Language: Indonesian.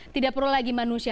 tidak perlu lagi manusia